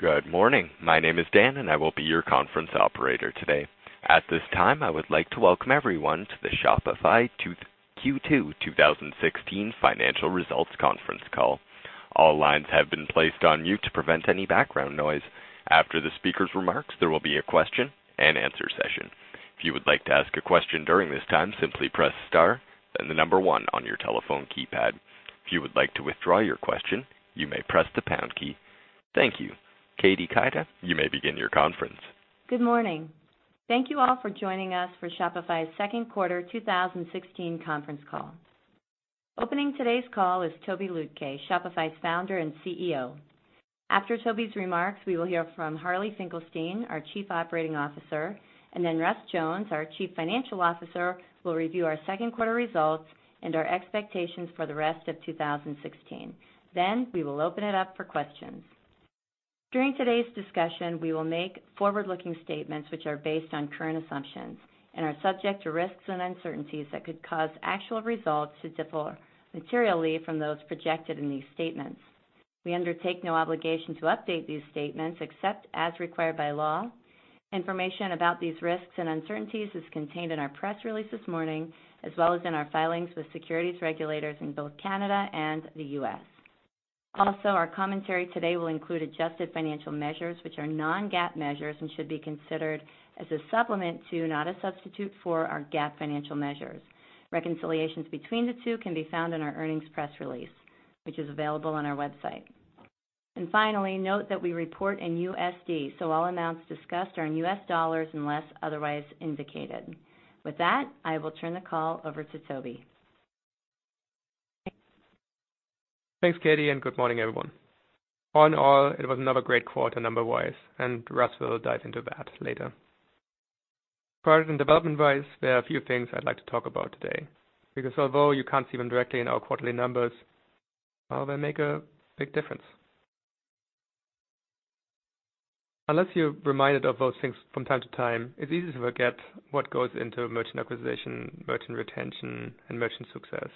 Good morning. My name is Dan, and I will be your conference operator today. At this time, I would like to welcome everyone to the Shopify Q2 2016 Financial Results conference call. All lines have been placed on mute to prevent any background noise. After the speaker's remarks, there will be a question-and-answer session. If you would like to ask a question during this time, simply press star, then the number one on your telephone keypad. If you would like to withdraw your question, you may press the pound key. Thank you. Katie Keita, you may begin your conference. Good morning. Thank you all for joining us for Shopify's Q2 2016 conference call. Opening today's call is Tobi Lütke, Shopify's founder and CEO. After Tobi's remarks, we will hear from Harley Finkelstein, our Chief Operating Officer, and then Russ Jones, our Chief Financial Officer, will review our Q2 results and our expectations for the rest of 2016. We will open it up for questions. During today's discussion, we will make forward-looking statements which are based on current assumptions and are subject to risks and uncertainties that could cause actual results to differ materially from those projected in these statements. We undertake no obligation to update these statements except as required by law. Information about these risks and uncertainties is contained in our press release this morning, as well as in our filings with securities regulators in both Canada and the U.S. Our commentary today will include adjusted financial measures, which are non-GAAP measures and should be considered as a supplement to, not a substitute for, our GAAP financial measures. Reconciliations between the two can be found in our earnings press release, which is available on our website. Finally, note that we report in USD, so all amounts discussed are in U.S. dollars unless otherwise indicated. With that, I will turn the call over to Tobi. Thanks, Katie. Good morning, everyone. All in all, it was another great quarter number-wise. Russ will dive into that later. Product and development-wise, there are a few things I'd like to talk about today, because although you can't see them directly in our quarterly numbers, well, they make a big difference. Unless you're reminded of those things from time to time, it's easy to forget what goes into merchant acquisition, merchant retention, and merchant success.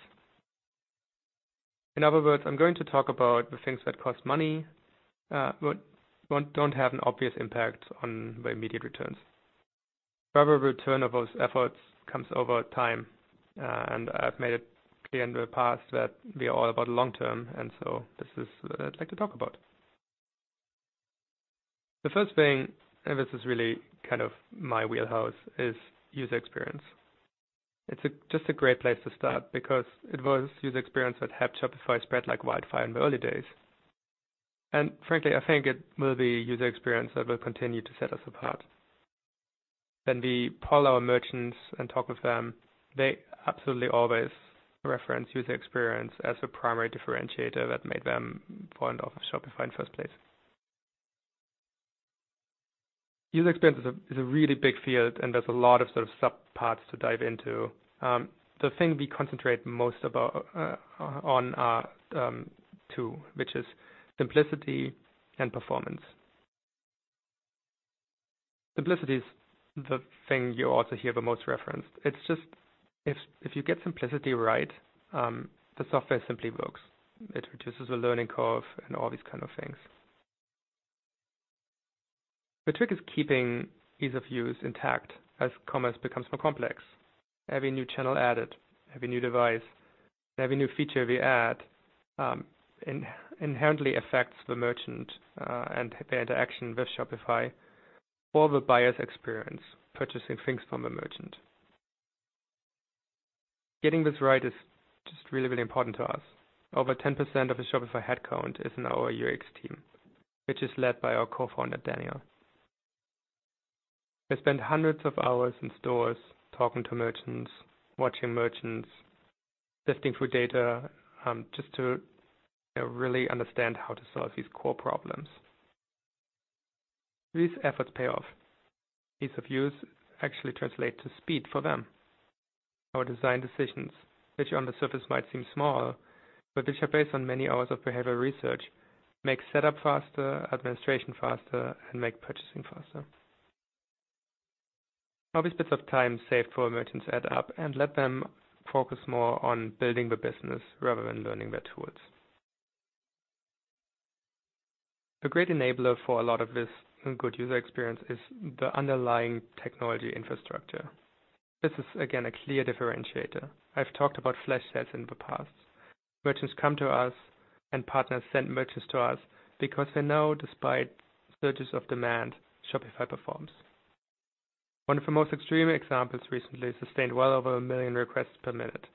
In other words, I'm going to talk about the things that cost money, but don't have an obvious impact on the immediate returns. However, return of those efforts comes over time. I've made it clear in the past that we are all about long-term. This is what I'd like to talk about. The first thing, this is really kind of my wheelhouse, is user experience. It's just a great place to start because it was user experience that helped Shopify spread like wildfire in the early days. Frankly, it will be user experience that will continue to set us apart. When we poll our merchants and talk with them, they absolutely always reference user experience as the primary differentiator that made them fond of Shopify in the first place. User experience is a really big field, and there's a lot of sort of sub-parts to dive into. The thing we concentrate most about on are two, which is simplicity and performance. Simplicity is the thing you also hear the most referenced. It's just if you get simplicity right, the software simply works. It reduces the learning curve and all these kind of things. The trick is keeping ease of use intact as commerce becomes more complex. Every new channel added, every new device, every new feature we add, inherently affects the merchant and their interaction with Shopify or the buyer's experience purchasing things from a merchant. Getting this right is just really important to us. Over 10% of the Shopify headcount is in our UX team, which is led by our co-founder, Daniel. We spend hundreds of hours in stores talking to merchants, watching merchants, sifting through data, just to really understand how to solve these core problems. These efforts pay off. Ease of use actually translate to speed for them. Our design decisions, which on the surface might seem small, but which are based on many hours of behavioral research, make setup faster, administration faster, and make purchasing faster. All these bits of time saved for merchants add up and let them focus more on building the business rather than learning their tools. A great enabler for a lot of this good user experience is the underlying technology infrastructure. This is, again, a clear differentiator. I've talked about flash sales in the past. Merchants come to us and partners send merchants to us because they know despite surges of demand, Shopify performs. One of the most extreme examples recently sustained well over 1 million requests per minute,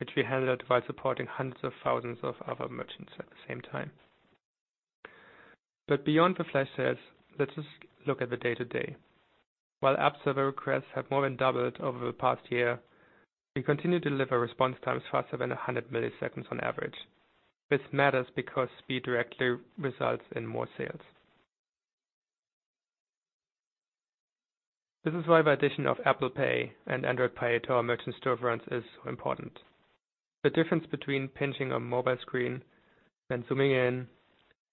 which we handled while supporting hundreds of thousands of other merchants at the same time. Beyond the flash sales, let's just look at the day-to-day. While app server requests have more than doubled over the past year, we continue to deliver response times faster than 100 milliseconds on average. This matters because speed directly results in more sales. This is why the addition of Apple Pay and Android Pay to our merchant storefronts is so important. The difference between pinching a mobile screen, zooming in,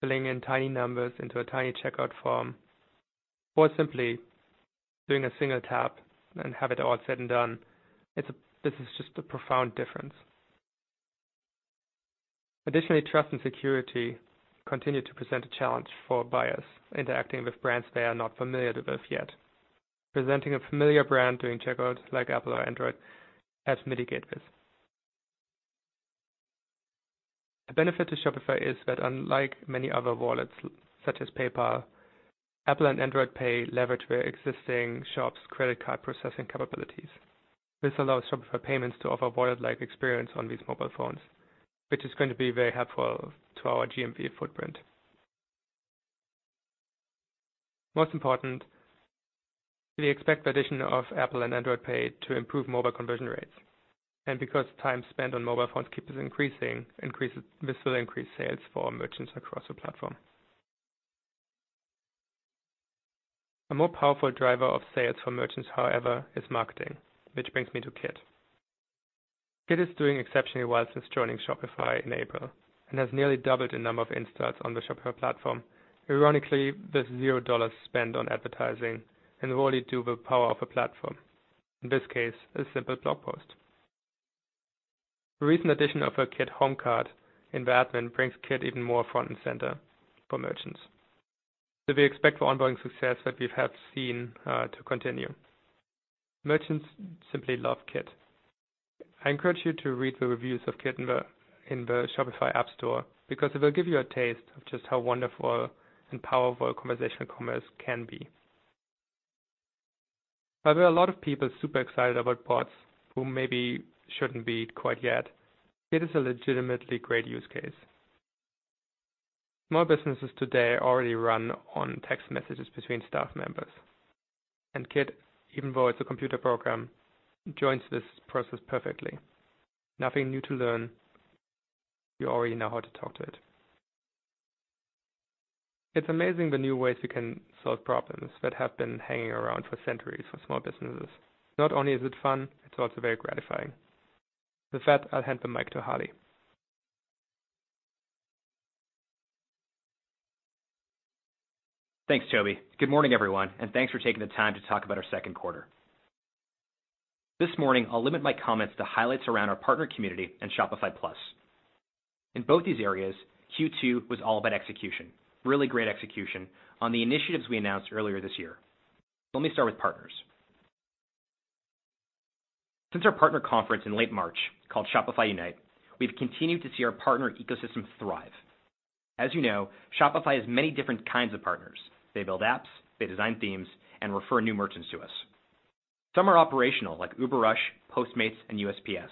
filling in tiny numbers into a tiny checkout form, or simply doing a single tap and have it all said and done, this is just a profound difference. Additionally, trust and security continue to present a challenge for buyers interacting with brands they are not familiar with yet. Presenting a familiar brand during checkout, like Apple or Android, has mitigated this. The benefit to Shopify is that unlike many other wallets such as PayPal, Apple and Android Pay leverage their existing shops' credit card processing capabilities. This allows Shopify Payments to offer wallet-like experience on these mobile phones, which is going to be very helpful to our GMV footprint. Most important, we expect the addition of Apple Pay and Android Pay to improve mobile conversion rates. Because time spent on mobile phones keeps increasing, this will increase sales for merchants across the platform. A more powerful driver of sales for merchants, however, is marketing, which brings me to Kit. Kit is doing exceptionally well since joining Shopify in April and has nearly doubled the number of installs on the Shopify platform. Ironically, with zero dollars spent on advertising and really due the power of the platform, in this case, a simple blog post. The recent addition of a Kit home card in the admin brings Kit even more front and center for merchants. We expect the ongoing success that we have seen to continue. Merchants simply love Kit. I encourage you to read the reviews of Kit in the Shopify App Store because it will give you a taste of just how wonderful and powerful conversational commerce can be. While there are a lot of people super excited about bots who maybe shouldn't be quite yet, Kit is a legitimately great use case. Small businesses today already run on text messages between staff members. Kit, even though it's a computer program, joins this process perfectly. Nothing new to learn. You already know how to talk to it. It's amazing the new ways we can solve problems that have been hanging around for centuries for small businesses. Not only is it fun, it's also very gratifying. With that, I'll hand the mic to Harley. Thanks, Tobi. Good morning, everyone, and thanks for taking the time to talk about our Q2. This morning, I'll limit my comments to highlights around our partner community and Shopify Plus. In both these areas, Q2 was all about execution, really great execution on the initiatives we announced earlier this year. Let me start with partners. Since our partner conference in late March, called Shopify Unite, we've continued to see our partner ecosystem thrive. As Shopify has many different kinds of partners. They build apps, they design themes, and refer new merchants to us. Some are operational, like UberRUSH, Postmates, and USPS.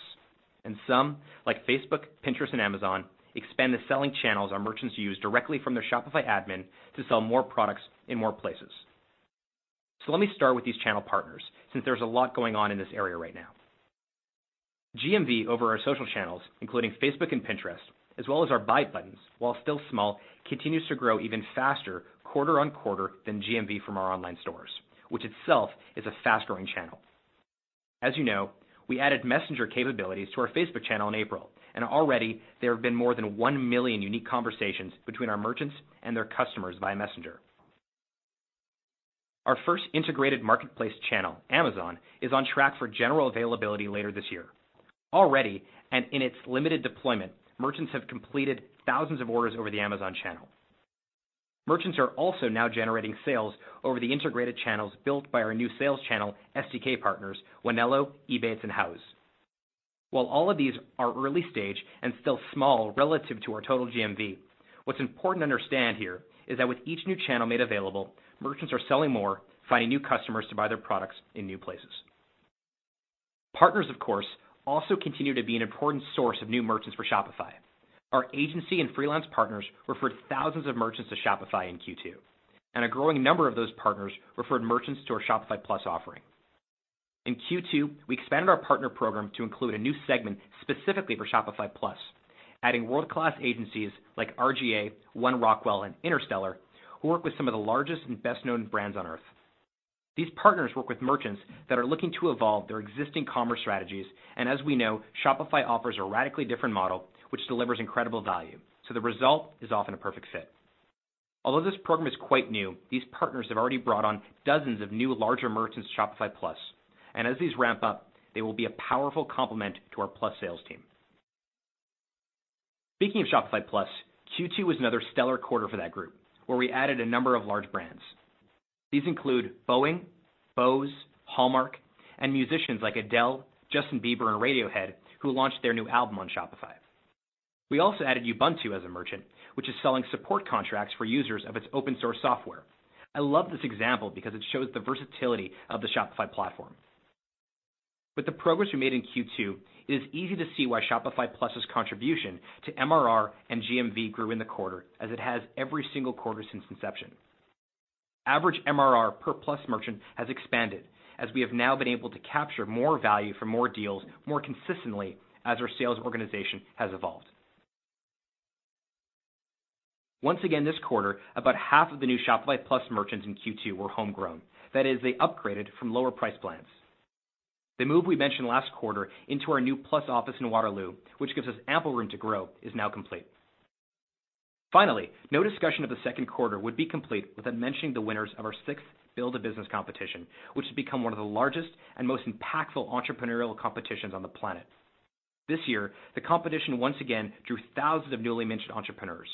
Some, like Facebook, Pinterest, and Amazon, expand the selling channels our merchants use directly from their Shopify admin to sell more products in more places. Let me start with these channel partners, since there's a lot going on in this area right now. GMV over our social channels, including Facebook and Pinterest, as well as our buy buttons, while still small, continues to grow even faster quarter-on-quarter than GMV from our online stores, which itself is a fast-growing channel. As we added Messenger capabilities to our Facebook channel in April, and already there have been more than 1 million unique conversations between our merchants and their customers via Messenger. Our first integrated marketplace channel, Amazon, is on track for general availability later this year. Already, and in its limited deployment, merchants have completed thousands of orders over the Amazon channel. Merchants are also now generating sales over the integrated channels built by our new sales channel SDK partners, Wanelo, Ebates, and Houzz. While all of these are early stage and still small relative to our total GMV, what's important to understand here is that with each new channel made available, merchants are selling more, finding new customers to buy their products in new places. Partners, of course, also continue to be an important source of new merchants for Shopify. Our agency and freelance partners referred thousands of merchants to Shopify in Q2, and a growing number of those partners referred merchants to our Shopify Plus offering. In Q2, we expanded our partner program to include a new segment specifically for Shopify Plus, adding world-class agencies like R/GA, One Rockwell, and Interstellar, who work with some of the largest and best-known brands on Earth. These partners work with merchants that are looking to evolve their existing commerce strategies, and as we know, Shopify offers a radically different model, which delivers incredible value, so the result is often a perfect fit. Although this program is quite new, these partners have already brought on dozens of new larger merchants to Shopify Plus, and as these ramp up, they will be a powerful complement to our Plus sales team. Speaking of Shopify Plus, Q2 was another stellar quarter for that group, where we added a number of large brands. These include Boeing, Bose, Hallmark, and musicians like Adele, Justin Bieber, and Radiohead, who launched their new album on Shopify. We also added Ubuntu as a merchant, which is selling support contracts for users of its open-source software. I love this example because it shows the versatility of the Shopify platform. With the progress we made in Q2, it is easy to see why Shopify Plus' contribution to MRR and GMV grew in the quarter, as it has every single quarter since inception. Average MRR per Plus merchant has expanded, as we have now been able to capture more value for more deals more consistently as our sales organization has evolved. Once again this quarter, about half of the new Shopify Plus merchants in Q2 were homegrown. That is, they upgraded from lower price plans. The move we mentioned last quarter into our new Plus office in Waterloo, which gives us ample room to grow, is now complete. Finally, no discussion of the Q2 would be complete without mentioning the winners of our sixth Build a Business competition, which has become one of the largest and most impactful entrepreneurial competitions on the planet. This year, the competition once again drew thousands of newly-minted entrepreneurs.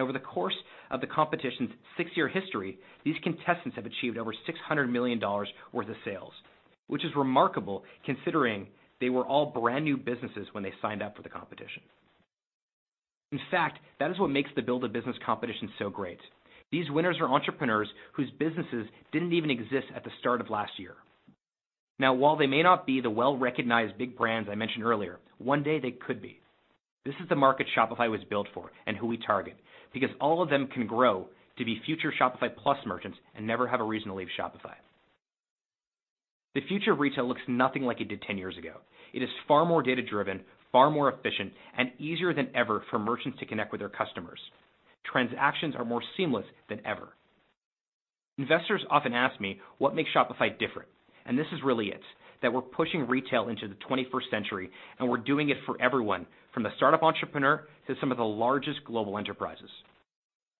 Over the course of the competition's 6-year history, these contestants have achieved over $600 million worth of sales, which is remarkable considering they were all brand new businesses when they signed up for the competition. In fact, that is what makes the Build a Business competition so great. These winners are entrepreneurs whose businesses didn't even exist at the start of last year. Now, while they may not be the well-recognized big brands I mentioned earlier, one day they could be. This is the market Shopify was built for and who we target because all of them can grow to be future Shopify Plus merchants and never have a reason to leave Shopify. The future of retail looks nothing like it did 10 years ago. It is far more data-driven, far more efficient, and easier than ever for merchants to connect with their customers. Transactions are more seamless than ever. Investors often ask me what makes Shopify different. This is really it, that we're pushing retail into the 21st century, and we're doing it for everyone, from the startup entrepreneur to some of the largest global enterprises.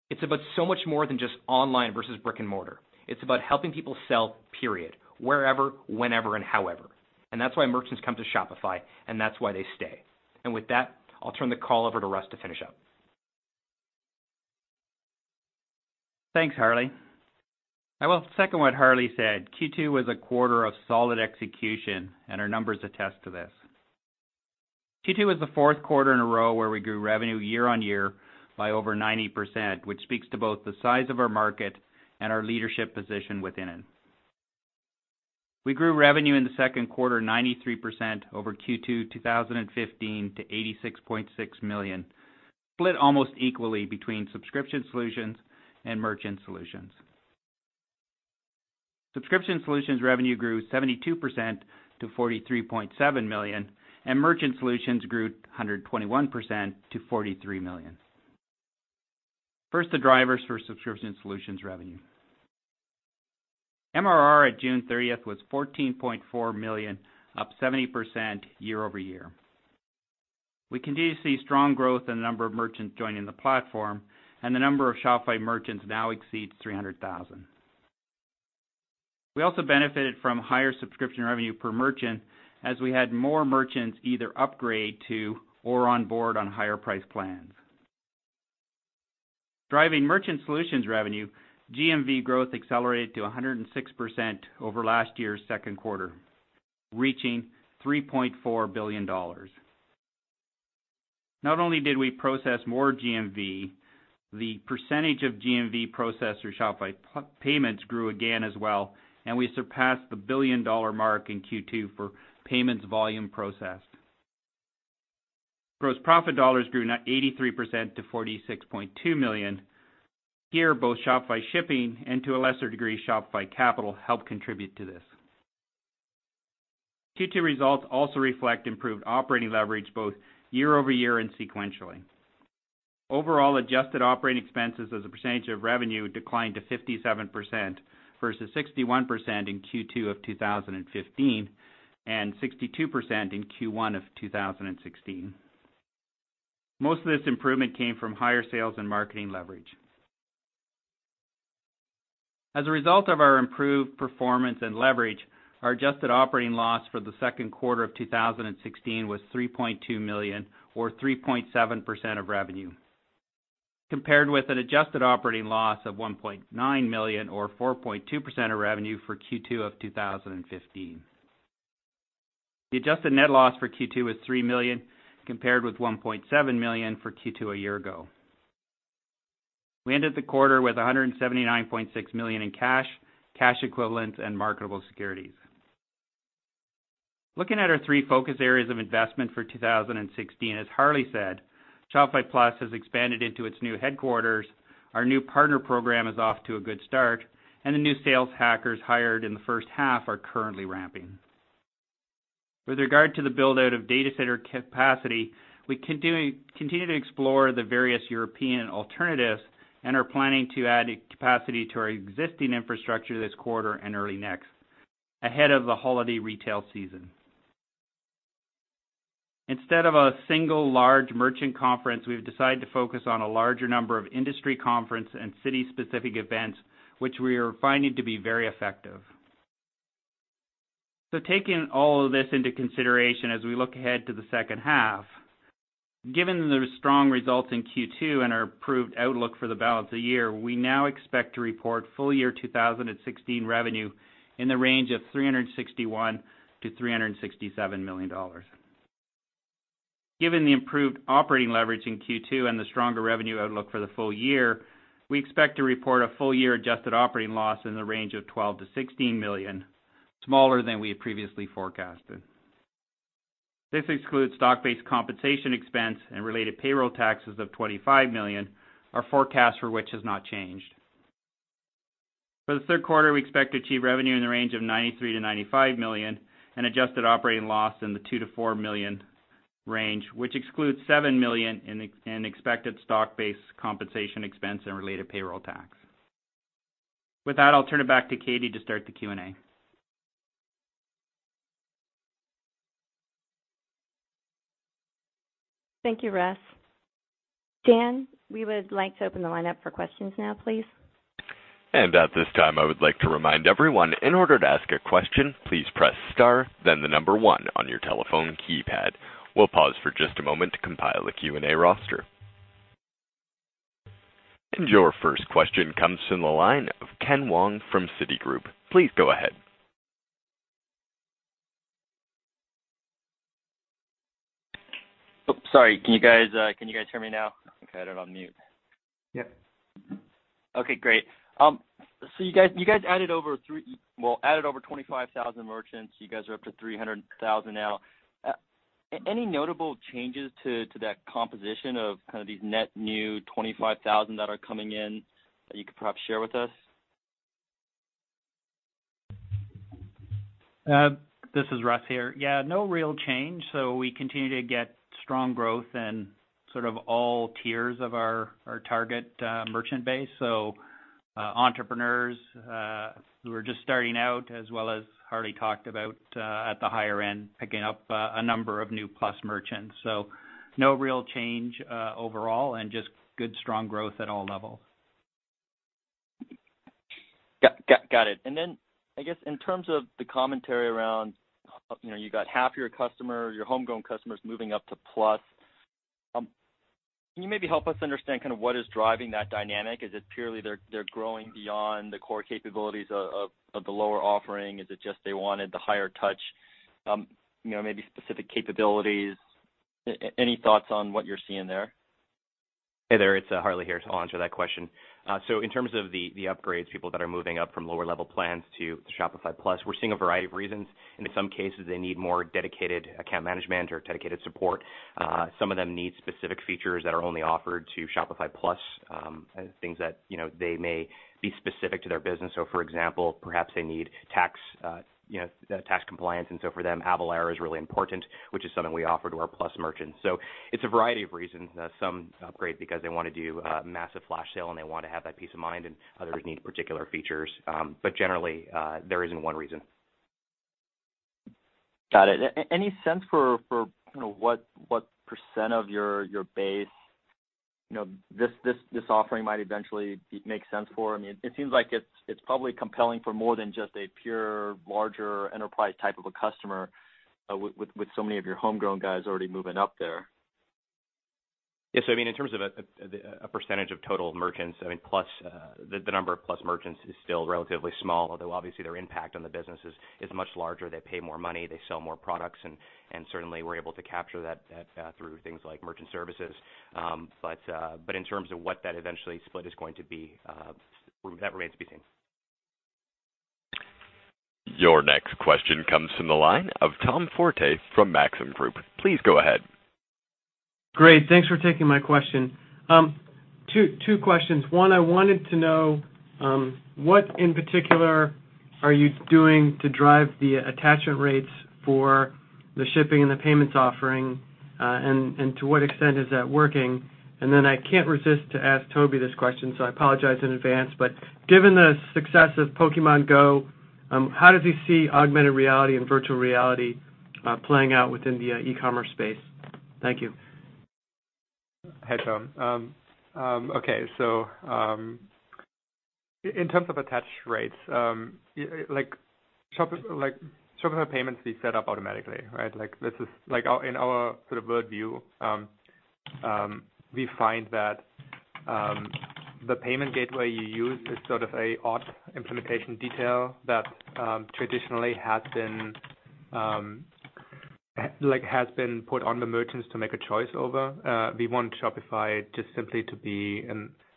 It's about so much more than just online versus brick-and-mortar. It's about helping people sell, period, wherever, whenever, and however. That's why merchants come to Shopify, and that's why they stay. With that, I'll turn the call over to Russ to finish up. Thanks, Harley. I will second what Harley said. Q2 was a quarter of solid execution, our numbers attest to this. Q2 was the fourth quarter in a row where we grew revenue year-over-year by over 90%, which speaks to both the size of our market and our leadership position within it. We grew revenue in the Q2 93% over Q2 2015 to $86.6 million, split almost equally between Subscription Solutions and Merchant Solutions. Subscription Solutions revenue grew 72% to $43.7 million, Merchant Solutions grew 121% to $43 million. First, the drivers for Subscription Solutions revenue. MRR at June thirtieth was $14.4 million, up 70% year-over-year. We continue to see strong growth in the number of merchants joining the platform. The number of Shopify merchants now exceeds 300,000. We also benefited from higher subscription revenue per merchant as we had more merchants either upgrade to or onboard on higher priced plans. Driving merchant solutions revenue, GMV growth accelerated to 106% over last year's Q2, reaching $3.4 billion. Not only did we process more GMV, the percentage of GMV processed through Shopify Payments grew again as well, and we surpassed the billion-dollar mark in Q2 for payments volume processed. Gross profit dollars grew 93% to $46.2 million. Here, both Shopify Shipping and to a lesser degree, Shopify Capital helped contribute to this. Q2 results also reflect improved operating leverage both year-over-year and sequentially. Overall, adjusted operating expenses as a percentage of revenue declined to 57% versus 61% in Q2 of 2015 and 62% in Q1 of 2016. Most of this improvement came from higher sales and marketing leverage. As a result of our improved performance and leverage, our adjusted operating loss for the Q2 of 2016 was $3.2 million or 3.7% of revenue, compared with an adjusted operating loss of $1.9 million or 4.2% of revenue for Q2 of 2015. The adjusted net loss for Q2 was $3 million, compared with $1.7 million for Q2 a year ago. We ended the quarter with $179.6 million in cash equivalents, and marketable securities. Looking at our three focus areas of investment for 2016, as Harley said, Shopify Plus has expanded into its new headquarters. Our new partner program is off to a good start, and the new sales hackers hired in the first half are currently ramping. With regard to the build-out of data center capacity, we continue to explore the various European alternatives and are planning to add capacity to our existing infrastructure this quarter and early next ahead of the holiday retail season. Instead of a single large merchant conference, we've decided to focus on a larger number of industry conference and city-specific events, which we are finding to be very effective. Taking all of this into consideration as we look ahead to the second half, given the strong results in Q2 and our improved outlook for the balance of the year, we now expect to report full year 2016 revenue in the range of $361 million-$367 million. Given the improved operating leverage in Q2 and the stronger revenue outlook for the full year, we expect to report a full-year adjusted operating loss in the range of $12 million-$16 million, smaller than we had previously forecasted. This excludes stock-based compensation expense and related payroll taxes of $25 million, our forecast for which has not changed. For the Q3, we expect to achieve revenue in the range of $93 million-$95 million and adjusted operating loss in the $2 million-$4 million range, which excludes $7 million in expected stock-based compensation expense and related payroll tax. With that, I'll turn it back to Katie to start the Q&A. Thank you, Russ. Dan, we would like to open the line up for questions now, please. At this time, I would like to remind everyone, in order to ask a question, please press star then the number one on your telephone keypad. We'll pause for just a moment to compile a Q&A roster. Your first question comes from the line of Kenneth Wong from Citigroup. Please go ahead. Oh, sorry. Can you guys hear me now? I had it on mute. Yep. Okay, great. You guys added over 25,000 merchants. You guys are up to 300,000 now. Any notable changes to that composition of kind of these net new 25,000 that are coming in that you could perhaps share with us? This is Russ here. No real change. We continue to get strong growth in sort of all tiers of our target merchant base. Entrepreneurs who are just starting out, as well as Harley talked about, at the higher end, picking up a number of new Plus merchants. No real change overall and just good, strong growth at all levels. Got it. In terms of the commentary around, you got half your customer, your homegrown customers moving up to Plus, can you maybe help us understand kind of what is driving that dynamic? Is it purely they're growing beyond the core capabilities of the lower offering? Is it just they wanted the higher touch, maybe specific capabilities? Any thoughts on what you're seeing there? Hey there, it's Harley here. I'll answer that question. In terms of the upgrades, people that are moving up from lower level plans to Shopify Plus, we're seeing a variety of reasons. In some cases, they need more dedicated account management or dedicated support. Some of them need specific features that are only offered to Shopify Plus, things that they may be specific to their business. For example, perhaps they need tax compliance, and so for them, Avalara is really important, which is something we offer to our plus merchants. It's a variety of reasons. Some upgrade because they wanna do a massive flash sale, and they want to have that peace of mind, and others need particular features. Generally, there isn't one reason. Got it. Any sense for what % of your base this offering might eventually make sense for? It seems like it's probably compelling for more than just a pure, larger enterprise type of a customer, with so many of your homegrown guys already moving up there. In terms of a percentage of total merchants Plus, the number of Plus merchants is still relatively small, although obviously their impact on the business is much larger. They pay more money. They sell more products, and certainly, we're able to capture that through things like merchant services. In terms of what that eventually split is going to be, that remains to be seen. Your next question comes from the line of Tom Forte from Maxim Group. Please go ahead. Great. Thanks for taking my question. Two questions. One, I wanted to know, what in particular are you doing to drive the attachment rates for the shipping and the payments offering, and to what extent is that working? I can't resist to ask Tobi this question, so I apologize in advance. Given the success of Pokémon Go, how does he see augmented reality and virtual reality playing out within the e-commerce space? Thank you. Hey, Tom. Okay. In terms of attach rates, like, Shopify Payments we set up automatically, right? Like, this is our in our sort of worldview, we find that the payment gateway you use is sort of a odd implementation detail that traditionally has been, like, has been put on the merchants to make a choice over. We want Shopify just simply to be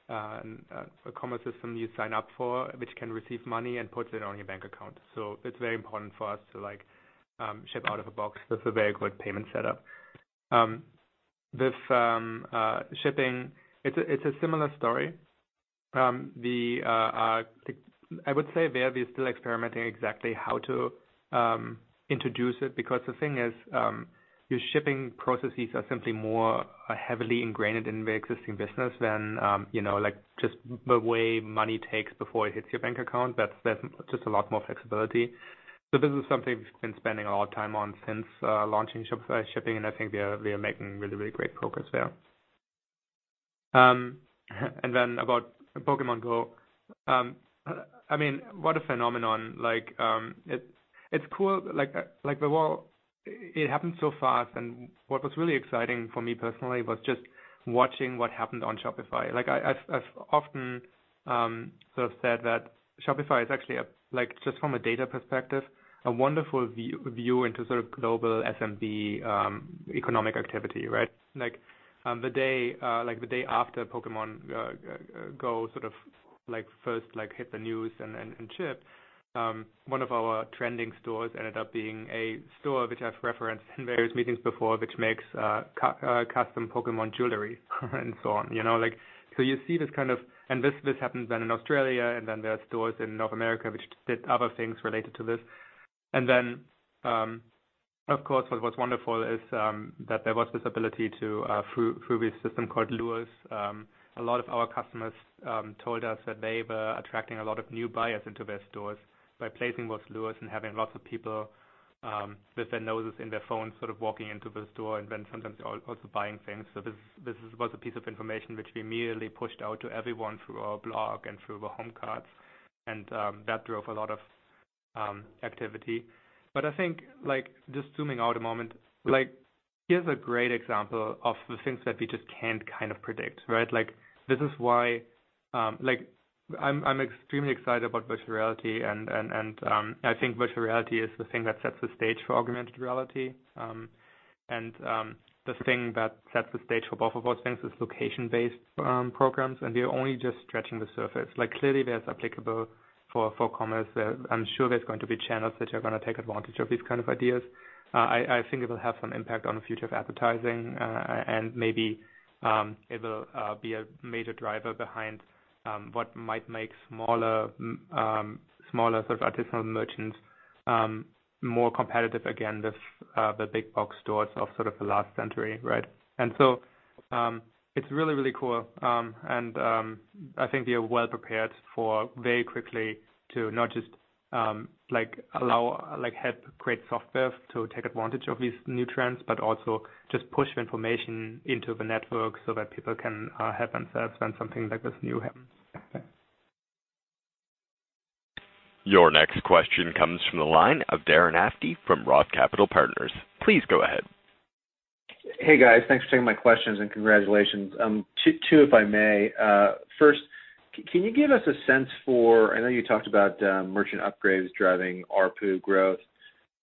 a commerce system you sign up for, which can receive money and puts it on your bank account. It's very important for us to, like, ship out of a box with a very good payment setup. With shipping, it's a, it's a similar story. I would say there we are still experimenting exactly how to introduce it because the thing is, your shipping processes are simply more heavily ingrained in the existing business than like just the way money takes before it hits your bank account. That's just a lot more flexibility. This is something we've been spending a lot of time on since launching Shopify Shipping, and we are making really great progress there. About Pokémon Go. What a phenomenon. Like, it's cool. Like, the world, it happened so fast, and what was really exciting for me personally was just watching what happened on Shopify. Like, I've often, sort of said that Shopify is actually a, like, just from a data perspective, a wonderful view into sort of global SMB economic activity, right? Like, the day, like, the day after Pokémon Go sort of like first, like, hit the news and chip, one of our trending stores ended up being a store which I've referenced in various meetings before, which makes, custom Pokémon jewelry and so on. Like, so you see this kind of. This happens then in Australia, then there are stores in North America which did other things related to this. Then, of course, what was wonderful is that there was this ability to through this system called Lure. A lot of our customers told us that they were attracting a lot of new buyers into their stores by placing those Lures and having lots of people. With their noses in their phones sort of walking into the store and then sometimes also buying things. This was a piece of information which we immediately pushed out to everyone through our blog and through the home cards. That drove a lot of activity. I think, like, just zooming out a moment, like, here's a great example of the things that we just can't kind of predict, right? This is why I'm extremely excited about virtual reality and virtual reality is the thing that sets the stage for augmented reality. The thing that sets the stage for both of those things is location-based programs, we are only just scratching the surface. Clearly that's applicable for commerce. There, I'm sure there's going to be channels that are gonna take advantage of these kind of ideas. It'll have some impact on the future of advertising, and maybe it'll be a major driver behind what might make smaller sort of artisanal merchants more competitive again with the big box stores of sort of the last century, right? It's really cool. And we are well prepared for very quickly to not just like allow, like help create software to take advantage of these new trends, but also just push information into the network so that people can help themselves when something like this new happens. Yeah. Your next question comes from the line of Darren Aftahi from Roth Capital Partners. Please go ahead. Hey, guys. Thanks for taking my questions, and congratulations. Two if I may. First, can you give us a sense for merchant upgrades driving ARPU growth.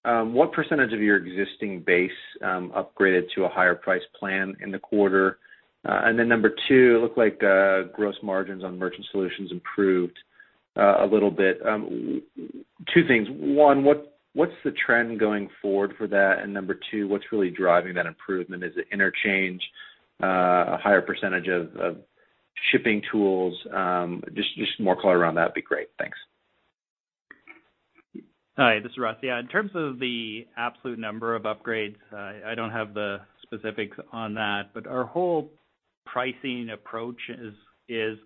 What % of your existing base upgraded to a higher price plan in the quarter? Number two, it looked like gross margins on merchant solutions improved a little bit. Two things. One, what's the trend going forward for that? Number two, what's really driving that improvement? Is it interchange? A higher % of shipping tools? Just more color around that would be great. Thanks. Hi, this is Russ. In terms of the absolute number of upgrades, I don't have the specifics on that. Our whole pricing approach is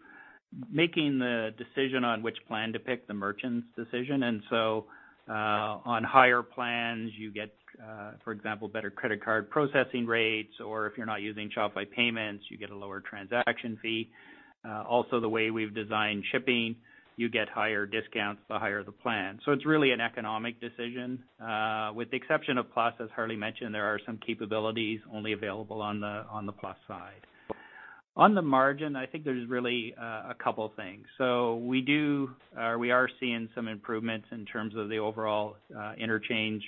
making the decision on which plan to pick the merchant's decision. On higher plans, you get, for example, better credit card processing rates, or if you're not using Shopify Payments, you get a lower transaction fee. Also the way we've designed shipping, you get higher discounts the higher the plan. It's really an economic decision. With the exception of Plus, as Harley mentioned, there are some capabilities only available on the Plus side. On the margin, there's really a couple things. We do, or we are seeing some improvements in terms of the overall interchange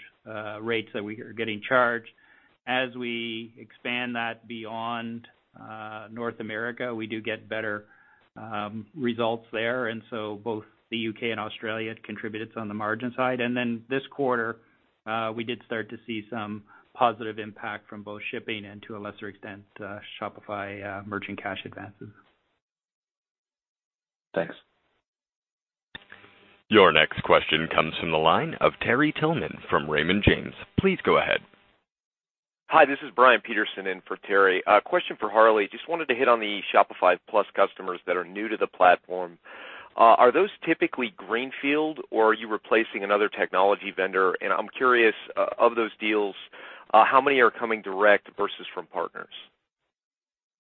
rates that we are getting charged. As we expand that beyond North America, we do get better results there. Both the U.K. and Australia contributed on the margin side. This quarter, we did start to see some positive impact from both shipping and to a lesser extent, Shopify merchant cash advances. Thanks. Your next question comes from the line of Terry Tillman from Raymond James. Please go ahead. Hi, this is Brian Peterson in for Terry Tillman. A question for Harley Finkelstein. Just wanted to hit on the Shopify Plus customers that are new to the platform. Are those typically greenfield or are you replacing another technology vendor? I'm curious, of those deals, how many are coming direct versus from partners?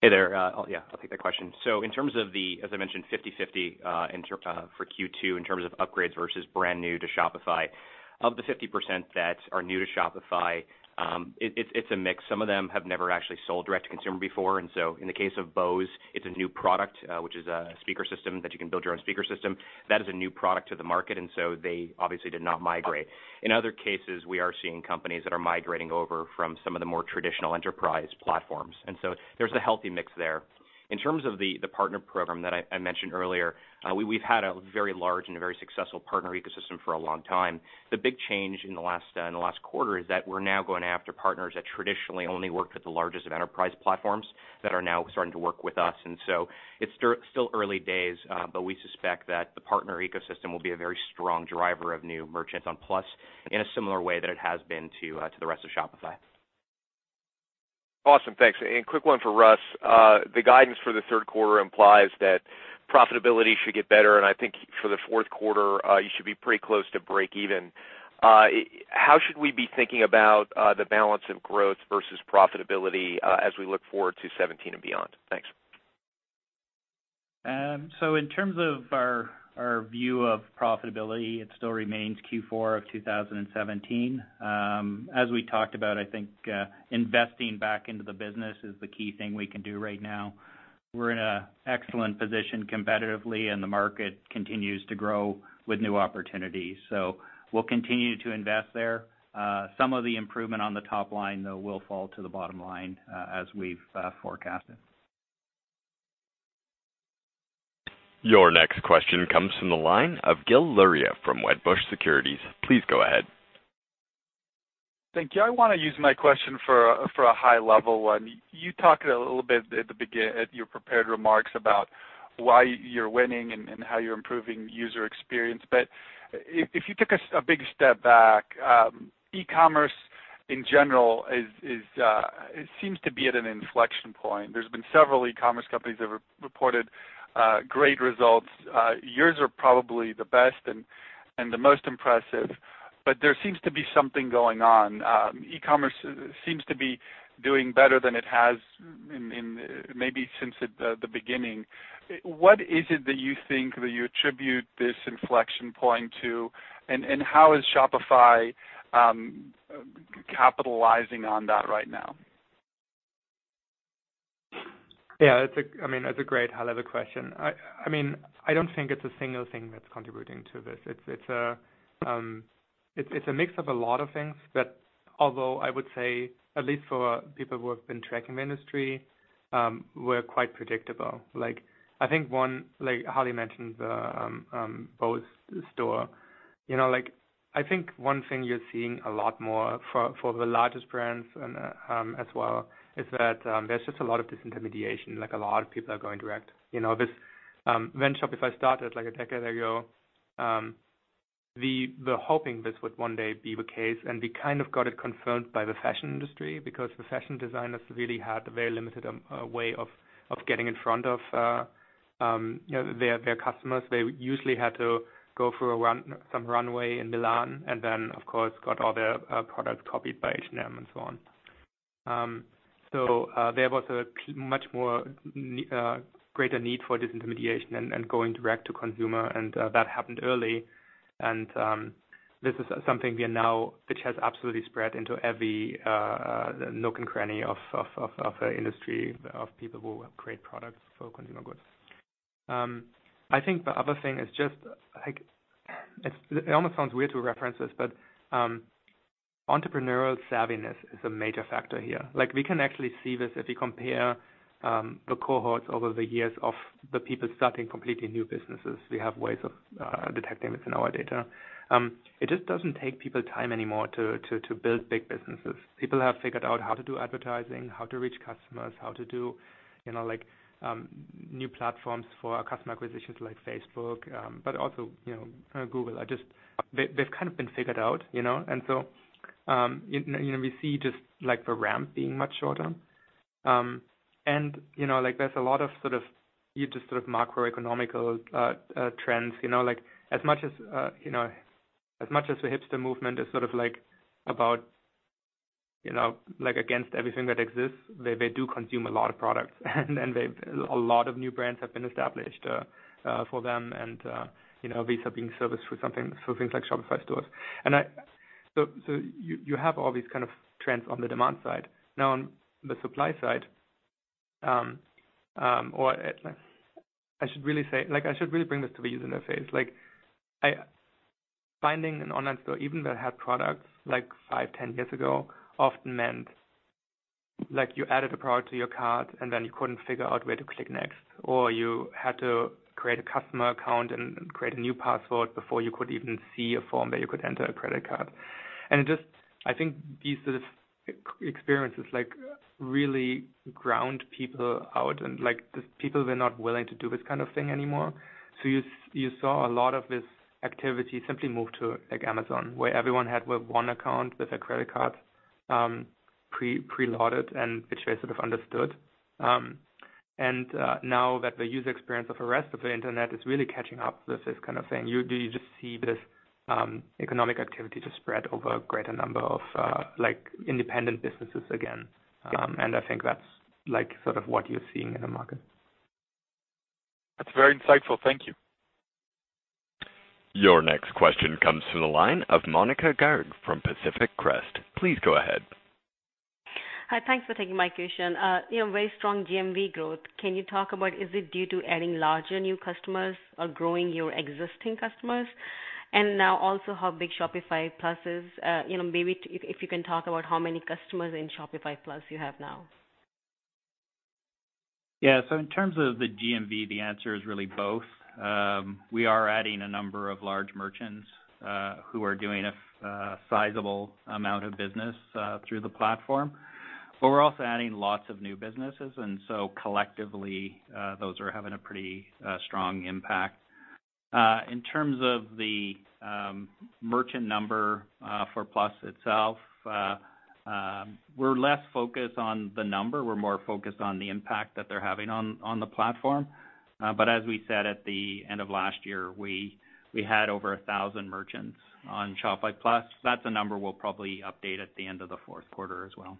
Yeah, I'll take that question. In terms of the, as I mentioned, 50/50 for Q2 in terms of upgrades versus brand new to Shopify, of the 50% that are new to Shopify, it's a mix. Some of them have never actually sold direct to consumer before. In the case of Bose, it's a new product, which is a speaker system that you can build your own speaker system. That is a new product to the market, and so they obviously did not migrate. In other cases, we are seeing companies that are migrating over from some of the more traditional enterprise platforms. There's a healthy mix there. In terms of the partner program that I mentioned earlier, we've had a very large and a very successful partner ecosystem for a long time. The big change in the last in the last quarter is that we're now going after partners that traditionally only worked with the largest of enterprise platforms that are now starting to work with us. It's still early days, but we suspect that the partner ecosystem will be a very strong driver of new merchants on Plus in a similar way that it has been to the rest of Shopify. Awesome. Thanks. Quick one for Russ. The guidance for the third quarter implies that profitability should get better, and for the fourth quarter, you should be pretty close to break even. How should we be thinking about the balance of growth versus profitability, as we look forward to 2017 and beyond? Thanks. In terms of our view of profitability, it still remains Q4 of 2017. As we talked about, I think, investing back into the business is the key thing we can do right now. We're in a excellent position competitively, and the market continues to grow with new opportunities. We'll continue to invest there. Some of the improvement on the top line, though, will fall to the bottom line, as we've forecasted. Your next question comes from the line of Gil Luria from Wedbush Securities. Please go ahead. Thank you. I want to use my question for a high level one. You talked a little bit at your prepared remarks about why you're winning and how you're improving user experience. If you took a big step back, e-commerce in general, is, it seems to be at an inflection point. There's been several e-commerce companies that have reported great results. Yours are probably the best and the most impressive. There seems to be something going on. E-commerce seems to be doing better than it has in maybe since the beginning. What is it that you think that you attribute this inflection point to? How is Shopify capitalizing on that right now? That's a great, high-level question. I don't think it's a single thing that's contributing to this. It's a mix of a lot of things that although I would say, at least for people who have been tracking the industry, were quite predictable. One, like Harley mentioned, the Bose store. Like, one thing you're seeing a lot more for the largest brands and as well, is that there's just a lot of disintermediation, like a lot of people are going direct. This, when Shopify started like a decade ago, the hoping this would one day be the case, and we kind of got it confirmed by the fashion industry because the fashion designers really had a very limited way of getting in front of their customers. They usually had to go through some runway in Milan and then, of course, got all their products copied by H&M and so on. There was a much more, greater need for disintermediation and going direct to consumer, and that happened early. This is something we are now, which has absolutely spread into every nook and cranny of the industry of people who create products for consumer goods. The other thing is just, like, it almost sounds weird to reference this, but entrepreneurial savviness is a major factor here. Like, we can actually see this if you compare the cohorts over the years of the people starting completely new businesses. We have ways of detecting this in our data. It just doesn't take people time anymore to build big businesses. People have figured out how to do advertising, how to reach customers, how to do, like, new platforms for customer acquisitions like Facebook, but also, Google. They've kind of been figured out. We see just like the ramp being much shorter. Like there's a lot of sort of you just sort of macroeconomic trends. Like as much as much as the hipster movement is sort of like, about like against everything that exists, they do consume a lot of products. A lot of new brands have been established for them and these are being serviced through something, through things like Shopify stores. You have all these kind of trends on the demand side. Now, on the supply side, or at least, like I should really bring this to the user interface. Like finding an online store, even that had products like 5, 10 years ago, often meant like you added a product to your cart and then you couldn't figure out where to click next. You had to create a customer account and create a new password before you could even see a form that you could enter a credit card. It just, these sort of experiences like really ground people out and like just people were not willing to do this kind of thing anymore. You saw a lot of this activity simply move to like Amazon, where everyone had one account with a credit card, preloaded and which they sort of understood. Now that the user experience of the rest of the internet is really catching up with this kind of thing, you just see this economic activity just spread over a greater number of like independent businesses again. That's like sort of what you're seeing in the market. That's very insightful. Thank you. Your next question comes from the line of Monika Garg from Pacific Crest. Please go ahead. Hi, thanks for taking my question. Very strong GMV growth. Can you talk about is it due to adding larger new customers or growing your existing customers? Now also how big Shopify Plus is. Maybe if you can talk about how many customers in Shopify Plus you have now. Yeah. In terms of the GMV, the answer is really both. We are adding a number of large merchants who are doing a sizable amount of business through the platform. We're also adding lots of new businesses, and so collectively, those are having a pretty strong impact. In terms of the merchant number for Plus itself, we're less focused on the number. We're more focused on the impact that they're having on the platform. As we said at the end of last year, we had over 1,000 merchants on Shopify Plus. That's a number we'll probably update at the end of the fourth quarter as well.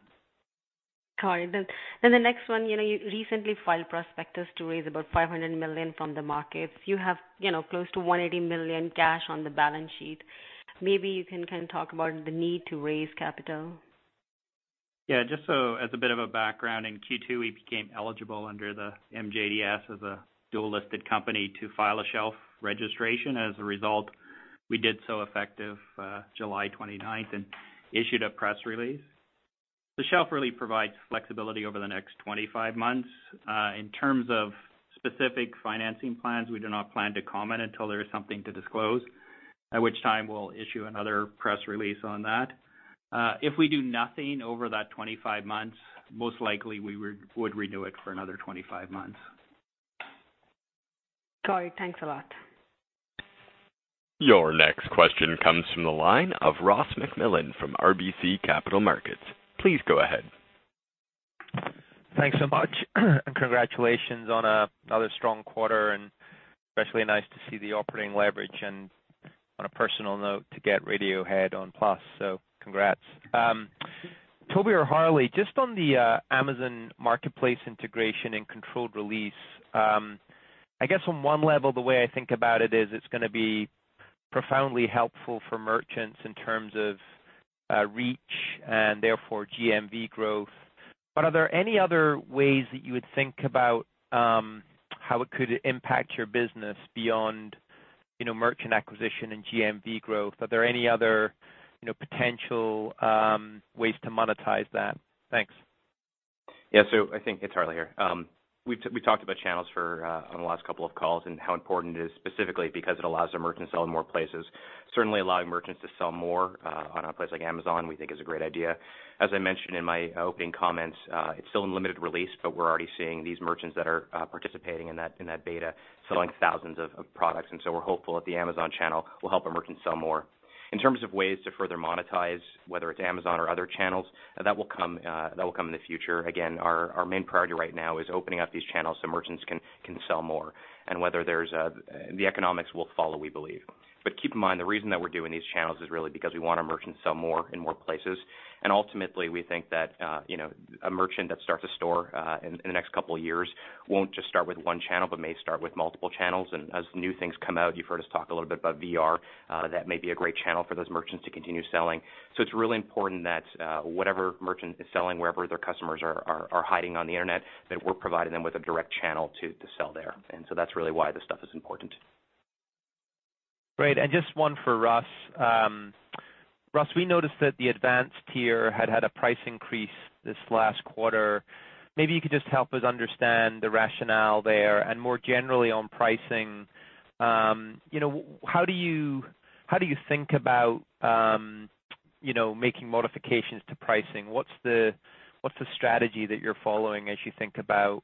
Got it. The next one. You recently filed prospectus to raise about $500 million from the markets. You have close to $180 million cash on the balance sheet. Maybe you can talk about the need to raise capital. Just as a bit of a background. In Q2, we became eligible under the MJDS as a dual-listed company to file a shelf registration. As a result, we did so effective July 29th and issued a press release. The shelf really provides flexibility over the next 25 months. In terms of specific financing plans, we do not plan to comment until there is something to disclose, at which time we'll issue another press release on that. If we do nothing over that 25 months, most likely we would renew it for another 25 months. Got it. Thanks a lot. Your next question comes from the line of Ross MacMillan from RBC Capital Markets. Please go ahead. Thanks so much. Congratulations on another strong quarter, especially nice to see the operating leverage and on a personal note to get Radiohead on Plus. Congrats. Tobi or Harley, just on the Amazon Marketplace integration and controlled release. I guess on one level, the way about it is it's going to be profoundly helpful for merchants in terms of reach and therefore GMV growth. Are there any other ways that you would think about how it could impact your business beyond merchant acquisition and GMV growth? Are there any other potential ways to monetize that? Thanks. It's Harley here. We talked about channels for on the last couple of calls and how important it is specifically because it allows our merchants to sell in more places. Certainly allowing merchants to sell more on a place like Amazon, we think is a great idea. As I mentioned in my opening comments, it's still in limited release, but we're already seeing these merchants that are participating in that beta selling thousands of products. We're hopeful that the Amazon channel will help our merchants sell more. In terms of ways to further monetize, whether it's Amazon or other channels, that will come, that will come in the future. Again, our main priority right now is opening up these channels so merchants can sell more. The economics will follow, we believe. Keep in mind, the reason that we're doing these channels is really because we want our merchants to sell more in more places. Ultimately, we think that a merchant that starts a store in the next couple of years won't just start with one channel but may start with multiple channels. As new things come out, you've heard us talk a little bit about VR, that may be a great channel for those merchants to continue selling. It's really important that whatever merchant is selling, wherever their customers are hiding on the Internet, that we're providing them with a direct channel to sell there. That's really why this stuff is important. Great. Just one for Russ. Russ, we noticed that the Advanced tier had a price increase this last quarter. Maybe you could just help us understand the rationale there and more generally on pricing. How do you think about making modifications to pricing? What's the strategy that you're following as you think about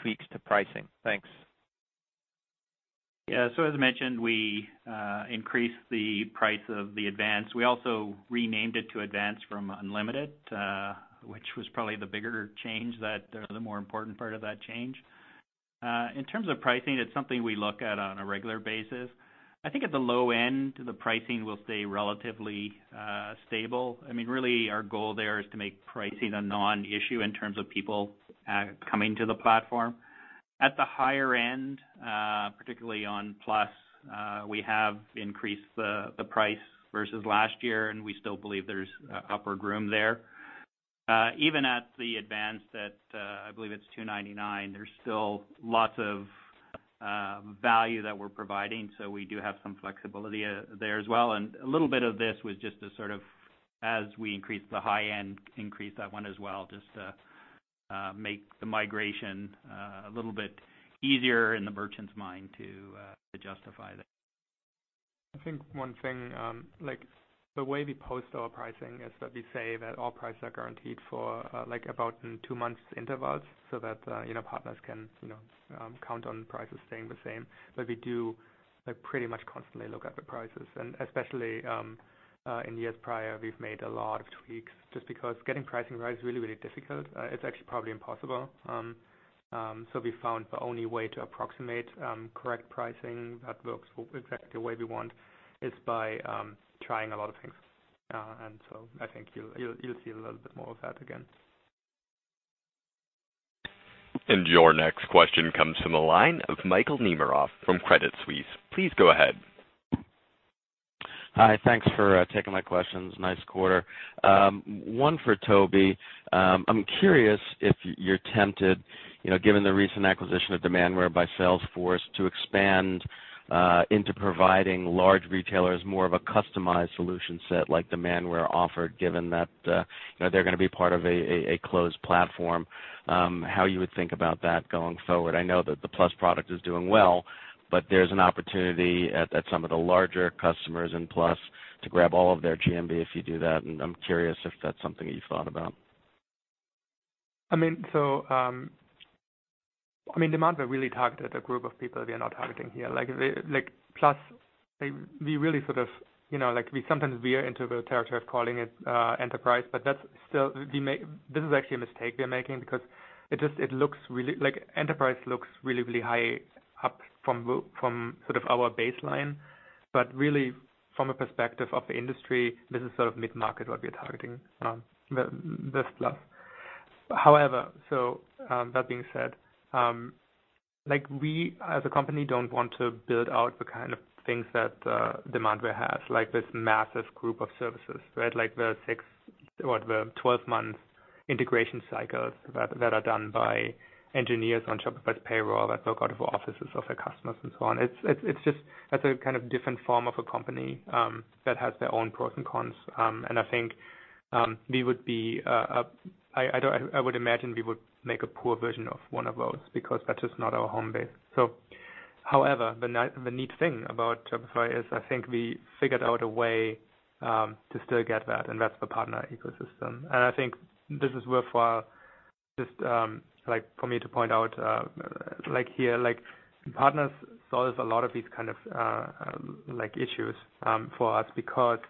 tweaks to pricing? Thanks. Yeah. As I mentioned, we increased the price of the Advanced. We also renamed it to Advanced from Unlimited, which was probably the bigger change or the more important part of that change. In terms of pricing, it's something we look at on a regular basis. At the low end, the pricing will stay relatively stable. Really our goal there is to make pricing a non-issue in terms of people coming to the platform. At the higher end, particularly on Plus, we have increased the price versus last year, and we still believe there's upper room there. Even at the Advanced that, I believe it's $299, there's still lots of value that we're providing, so we do have some flexibility there as well. A little bit of this was just to sort of as we increase the high-end increase that one as well, just to make the migration a little bit easier in the merchant's mind to justify that. One thing, like the way we post our pricing is that we say that all prices are guaranteed for, like about in two months intervals so that partners can count on prices staying the same. We do, like, pretty much constantly look at the prices. Especially, in years prior, we've made a lot of tweaks just because getting pricing right is really, really difficult. It's actually probably impossible. We found the only way to approximate correct pricing that works exactly the way we want is by trying a lot of things. You'll see a little bit more of that again. Your next question comes from the line of Michael Nemeroff from Credit Suisse. Please go ahead. Hi. Thanks for taking my questions. Nice quarter. One for Tobi. I'm curious if you're tempted, given the recent acquisition of Demandware by Salesforce to expand into providing large retailers more of a customized solution set like Demandware offered, given that they're gonna be part of a closed platform, how you would think about that going forward. I know that the Plus product is doing well, but there's an opportunity at some of the larger customers in Plus to grab all of their GMV if you do that. I'm curious if that's something you've thought about. Demandware really targeted a group of people we are not targeting here. Like, Plus, We really sort of like we sometimes veer into the territory of calling it enterprise, but that's still. This is actually a mistake we are making because it just, it looks really. Enterprise looks really, really high up from sort of our baseline. Really from a perspective of the industry, this is sort of mid-market what we are targeting, the, this Plus. However, that being said, like, we as a company don't want to build out the kind of things that Demandware has, like this massive group of services, right? Like the six or the 12-month integration cycles that are done by engineers on Shopify's payroll that go out of offices of their customers and so on. It's just that's a kind of different form of a company that has their own pros and cons. We would be, I would imagine, a poor version of one of those because that's just not our home base. However, the neat thing about Shopify is we figured out a way to still get that, and that's the partner ecosystem. This is worthwhile. Just, like for me to point out, like here, partners solves a lot of these kind of issues for us because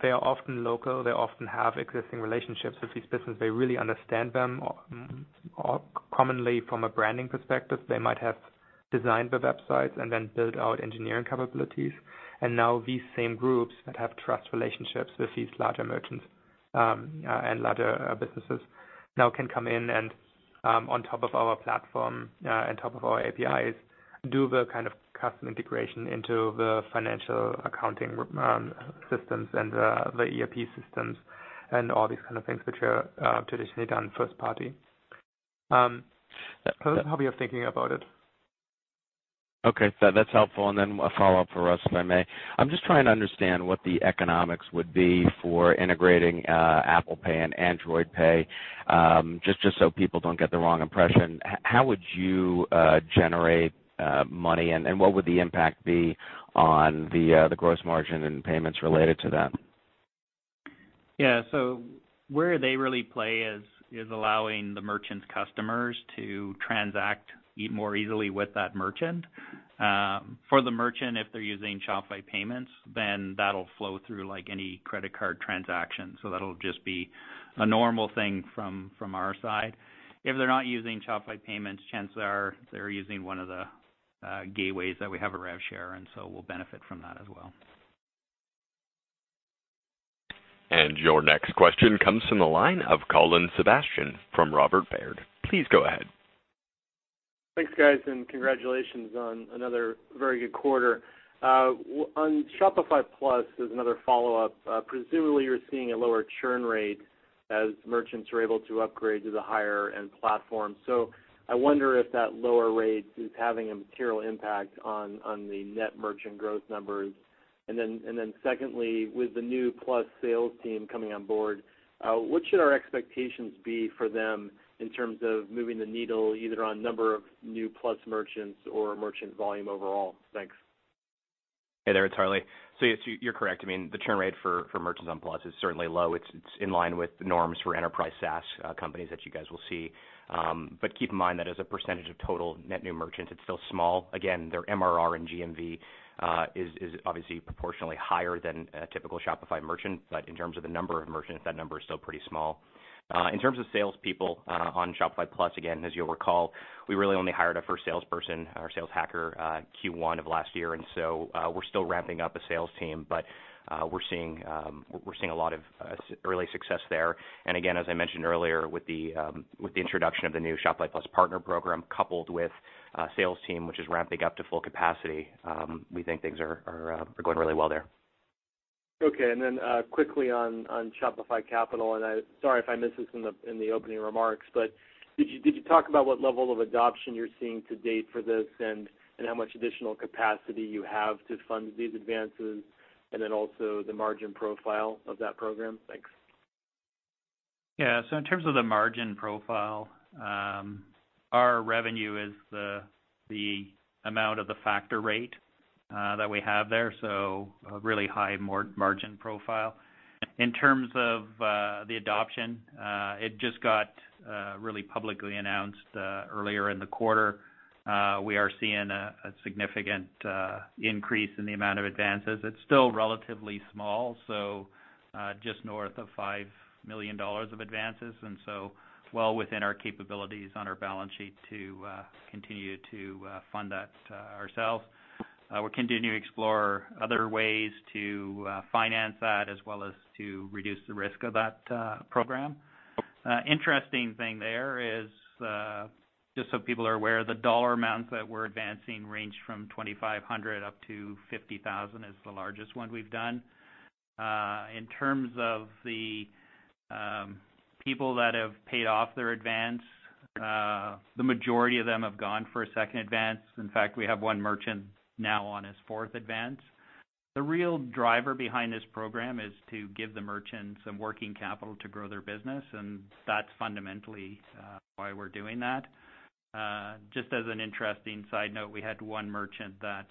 they are often local. They often have existing relationships with these businesses. They really understand them. Or commonly from a branding perspective, they might have designed the websites and then built out engineering capabilities. Now these same groups that have trust relationships with these larger merchants and larger businesses now can come in and on top of our platform, on top of our APIs, do the kind of custom integration into the financial accounting systems and the ERP systems and all these kind of things which are traditionally done first party. That's how we are thinking about it. That's helpful. A follow-up for Russ, if I may. I'm just trying to understand what the economics would be for integrating Apple Pay and Android Pay, just so people don't get the wrong impression. How would you generate money and what would the impact be on the gross margin and payments related to that? Where they really play is allowing the merchant's customers to transact more easily with that merchant. For the merchant, if they're using Shopify Payments, then that'll flow through like any credit card transaction. That'll just be a normal thing from our side. If they're not using Shopify Payments, chances are they're using one of the gateways that we have a rev share, and so we'll benefit from that as well. Your next question comes from the line of Colin Sebastian from Robert Baird. Please go ahead. Thanks, guys, and congratulations on another very good quarter. On Shopify Plus, as another follow-up, presumably you're seeing a lower churn rate as merchants are able to upgrade to the higher end platform. I wonder if that lower rate is having a material impact on the net merchant growth numbers. Secondly, with the new Plus sales team coming on board, what should our expectations be for them in terms of moving the needle, either on number of new Plus merchants or merchant volume overall? Thanks. Hey there, it's Harley. Yes, you're correct. The churn rate for merchants on Plus is certainly low. It's in line with the norms for enterprise SaaS companies that you guys will see. Keep in mind that as a percentage of total net new merchants, it's still small. Again, their MRR and GMV is obviously proportionally higher than a typical Shopify merchant. In terms of the number of merchants, that number is still pretty small. In terms of salespeople on Shopify Plus, again, as you'll recall, we really only hired our first salesperson, our sales hacker, Q1 of last year. We're still ramping up a sales team. We're seeing a lot of early success there. Again, as I mentioned earlier, with the introduction of the new Shopify Plus partner program, coupled with a sales team which is ramping up to full capacity, we think things are going really well there. Okay. Quickly on Shopify Capital, I Sorry if I missed this in the opening remarks. Did you talk about what level of adoption you're seeing to date for this and how much additional capacity you have to fund these advances, and then also the margin profile of that program? Thanks. Yeah. In terms of the margin profile, our revenue is the amount of the factor rate that we have there, so a really high margin profile. In terms of the adoption, it just got really publicly announced earlier in the quarter. We are seeing a significant increase in the amount of advances. It's still relatively small, just north of $5 million of advances, well within our capabilities on our balance sheet to continue to fund that ourselves. We'll continue to explore other ways to finance that as well as to reduce the risk of that program. Interesting thing there is, just so people are aware, the dollar amounts that we're advancing range from $2,500 up to $50,000 is the largest one we've done. In terms of the people that have paid off their advance, the majority of them have gone for a 2nd advance. In fact, we have one merchant now on his 4th advance. The real driver behind this program is to give the merchants some working capital to grow their business, and that's fundamentally why we're doing that. Just as an interesting side note, we had one merchant that,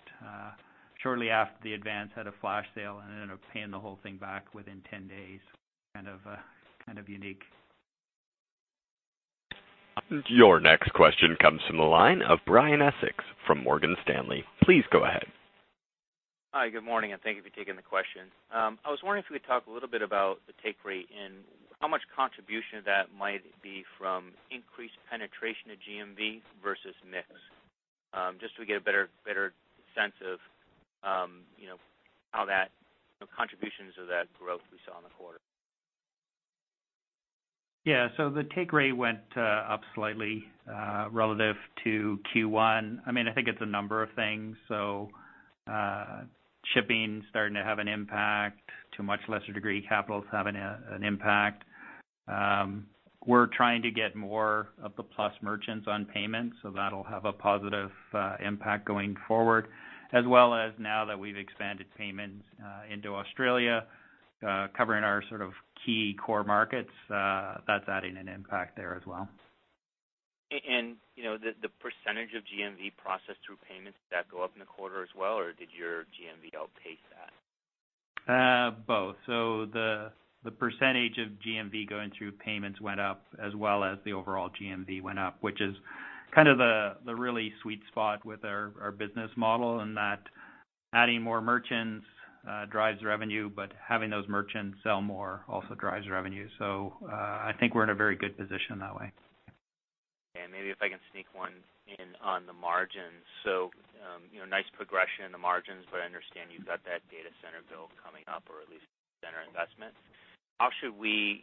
shortly after the advance had a flash sale and ended up paying the whole thing back within 10 days. Kind of unique. Your next question comes from the line of Brian Essex from Morgan Stanley. Please go ahead. Hi, good morning. Thank you for taking the question. I was wondering if you could talk a little bit about the take rate and how much contribution that might be from increased penetration of GMV versus mix, just so we get a better sense of how the contributions of that growth we saw in the quarter. Yeah. The take rate went up slightly relative to Q1. It's a number of things. Shipping starting to have an impact. To a much lesser degree, capital is having an impact. We're trying to get more of the Plus merchants on payments, so that'll have a positive impact going forward. As well as now that we've expanded payments into Australia, covering our sort of key core markets, that's adding an impact there as well. The % of GMV processed through payments, did that go up in the quarter as well, or did your GMV outpace that? Both. The % of GMV going through payments went up as well as the overall GMV went up, which is kind of the really sweet spot with our business model in that adding more merchants drives revenue, but having those merchants sell more also drives revenue. We're in a very good position that way. Maybe if I can sneak one in on the margins. Nice progression in the margins, but I understand you've got that data center build coming up or at least center investments. How should we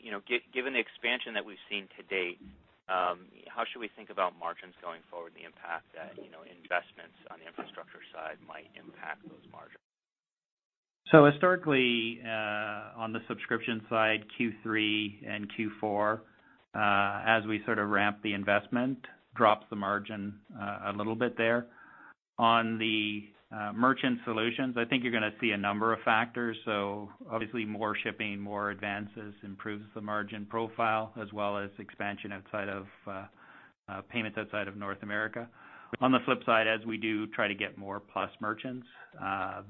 given the expansion that we've seen to date, how should we think about margins going forward and the impact that investments on the infrastructure side might impact those margins? Historically, on the subscription side, Q3 and Q4, as we sort of ramp the investment, drops the margin a little bit there. On the merchant solutions, you're gonna see a number of factors. Obviously more shipping, more advances improves the margin profile as well as expansion outside of payments outside of North America. On the flip side, as we do try to get more Plus merchants,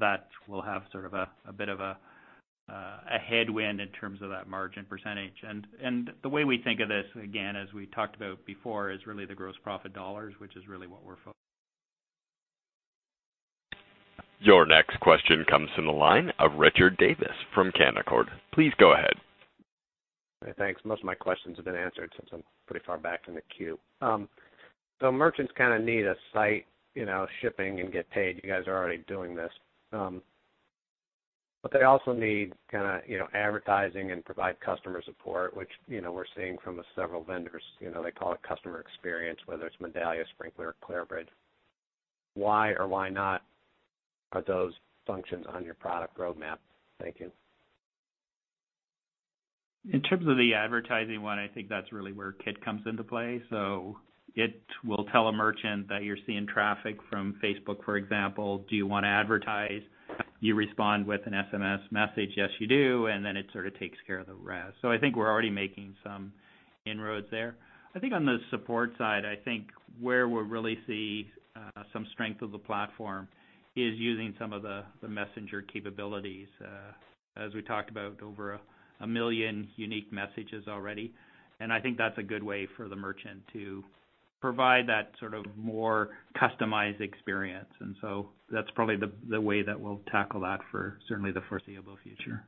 that will have sort of a bit of a headwind in terms of that margin percentage. The way we think of this, again, as we talked about before, is really the gross profit dollars, which is really what we're Your next question comes from the line of Richard Davis from Canaccord. Please go ahead. Thanks. Most of my questions have been answered since I'm pretty far back in the queue. Merchants kinda need a site shipping and get paid. You guys are already doing this. They also need kind of advertising and provide customer support, which we're seeing from several vendors. They call it customer experience, whether it's Medallia, Sprinklr, Clarabridge. Why or why not are those functions on your product roadmap? Thank you. In terms of the advertising one, that's really where Kit comes into play. It will tell a merchant that you're seeing traffic from Facebook, for example, do you wanna advertise? You respond with an SMS message, yes, you do, it sort of takes care of the rest. We're already making some inroads there. On the support side, where we'll really see some strength of the platform is using some of the Messenger capabilities. As we talked about over 1 million unique messages already. That's a good way for the merchant to provide that sort of more customized experience. That's probably the way that we'll tackle that for certainly the foreseeable future.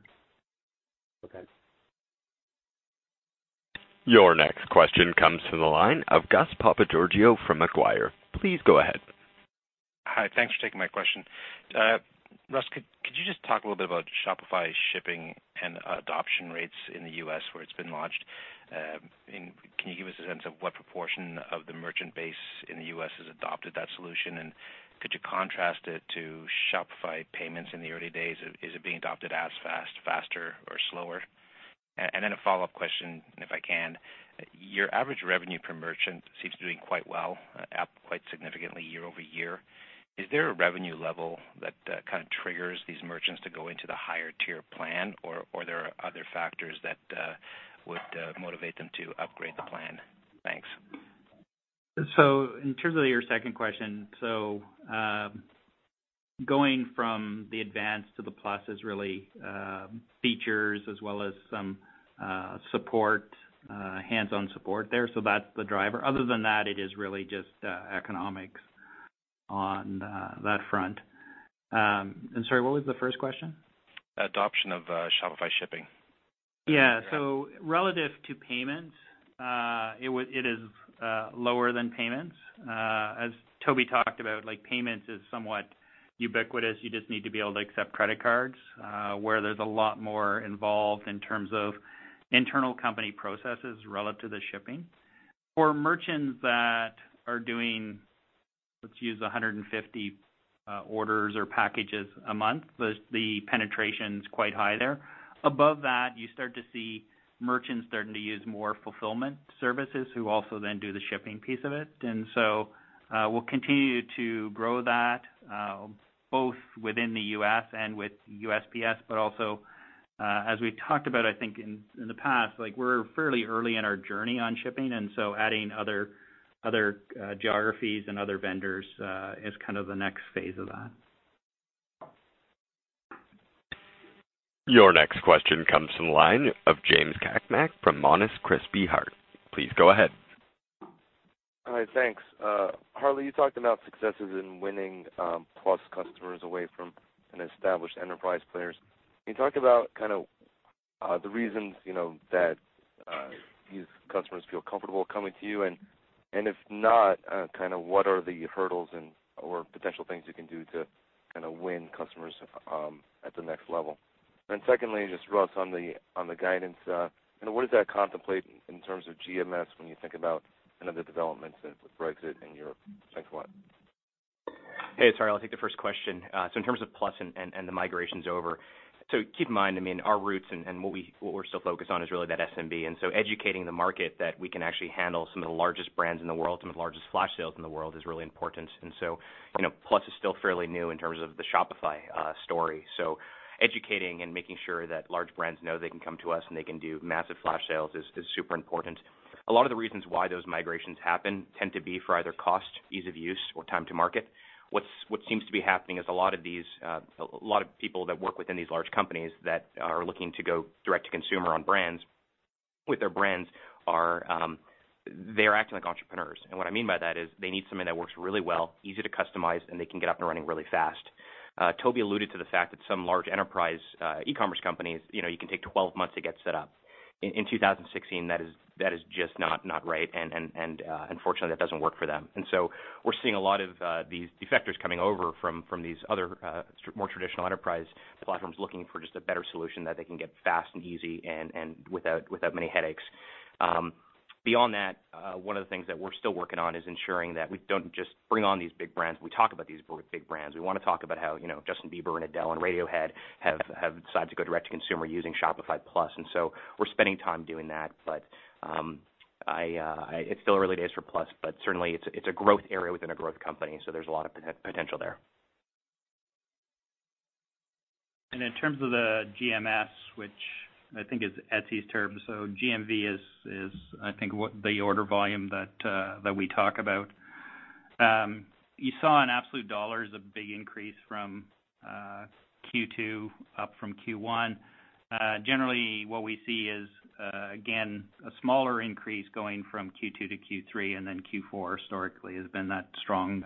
Okay. Your next question comes from the line of Gus Papageorgiou from Macquarie. Please go ahead. Hi. Thanks for taking my question. Russ, could you just talk a little bit about Shopify Shipping and adoption rates in the U.S. where it's been launched? Can you give us a sense of what proportion of the merchant base in the U.S. has adopted that solution? Could you contrast it to Shopify Payments in the early days? Is it being adopted as fast, faster or slower? Then a follow-up question, if I can. Your average revenue per merchant seems to be doing quite well, up quite significantly year-over-year. Is there a revenue level that kind of triggers these merchants to go into the higher tier plan, or there are other factors that would motivate them to upgrade the plan? Thanks. In terms of your second question, going from the advance to the Plus is really features as well as some support, hands-on support there. That's the driver. Other than that, it is really just economics on that front. Sorry, what was the first question? Adoption of Shopify Shipping. Yeah. Relative to payments, it is lower than payments. As Tobi talked about, like, payments is somewhat ubiquitous. You just need to be able to accept credit cards, where there's a lot more involved in terms of internal company processes relative to shipping. For merchants that are doing, let's use 150 orders or packages a month, the penetration's quite high there. Above that, you start to see merchants starting to use more fulfillment services who also then do the shipping piece of it. We'll continue to grow that, both within the U.S. and with USPS, but also, as we talked about, in the past, like we're fairly early in our journey on shipping, and so adding other geographies and other vendors, is kind of the next phase of that. Your next question comes from the line of James Cakmak from Monness, Crespi, Hardt. Please go ahead. All right. Thanks. Harley, you talked about successes in winning Plus customers away from an established enterprise players. Can you talk about kind of the reasons that these customers feel comfortable coming to you? If not, kinda what are the hurdles and/or potential things you can do to kinda win customers at the next level? Secondly, just Russ, on the, on the guidance, what does that contemplate in terms of GMS when you think about, the developments with Brexit in Europe? Thanks a lot. Hey, sorry. I'll take the first question. In terms of Plus and, and the migrations over, keep in mind, our roots and what we, what we're still focused on is really that SMB. Educating the market that we can actually handle some of the largest brands in the world, some of the largest flash sales in the world is really important. Plus is still fairly new in terms of the Shopify story. Educating and making sure that large brands know they can come to us and they can do massive flash sales is super important. A lot of the reasons why those migrations happen tend to be for either cost, ease of use, or time to market. What seems to be happening is a lot of these, a lot of people that work within these large companies that are looking to go direct to consumer on brands, with their brands are, they're acting like entrepreneurs. What by that is they need something that works really well, easy to customize, and they can get up and running really fast. Tobi alluded to the fact that some large enterprise, e-commerce companies, you can take 12 months to get set up. In 2016 that is just not right and, unfortunately that doesn't work for them. We're seeing a lot of these defectors coming over from these other more traditional enterprise platforms looking for just a better solution that they can get fast and easy and without many headaches. Beyond that, one of the things that we're still working on is ensuring that we don't just bring on these big brands, we talk about these big brands. We wanna talk about how Justin Bieber and Adele and Radiohead have decided to go direct to consumer using Shopify Plus. We're spending time doing that. It's still early days for Plus, but certainly it's a growth area within a growth company, so there's a lot of potential there. In terms of the GMS, which is Etsy's term, GMV is what the order volume that we talk about. You saw in absolute dollars a big increase from Q2 up from Q1. Generally what we see is again, a smaller increase going from Q2 to Q3, then Q4 historically has been that strong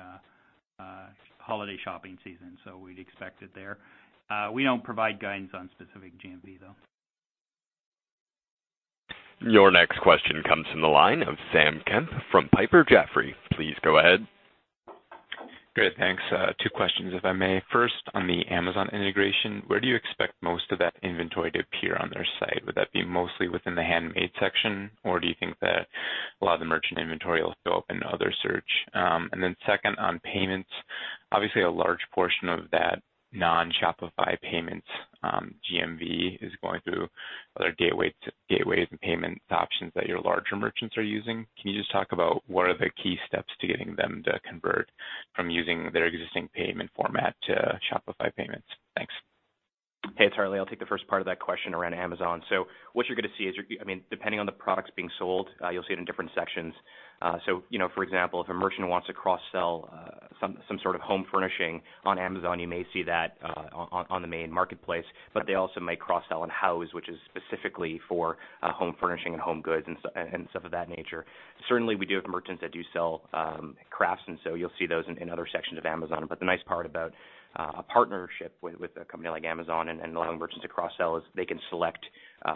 holiday shopping season. We'd expect it there. We don't provide guidance on specific GMV, though. Your next question comes from the line of Sam Kemp from Piper Jaffray. Please go ahead. Great. Thanks. Two questions, if I may. First, on the Amazon integration, where do you expect most of that inventory to appear on their site? Would that be mostly within the handmade section, or do you think that a lot of the merchant inventory will show up in other search? Second, on payments, obviously a large portion of that non-Shopify Payments, GMV is going through other gateways and payment options that your larger merchants are using. Can you just talk about what are the key steps to getting them to convert from using their existing payment format to Shopify Payments? Thanks. Hey, it's Harley. I'll take the first part of that question around Amazon. What you're gonna see is you're depending on the products being sold, you'll see it in different sections. For example, if a merchant wants to cross-sell some sort of home furnishing on Amazon, you may see that on the main marketplace, but they also may cross-sell on Houzz, which is specifically for home furnishing and home goods and stuff of that nature. Certainly, we do have merchants that do sell crafts, you'll see those in other sections of Amazon. The nice part about a partnership with a company like Amazon and allowing merchants to cross-sell is they can select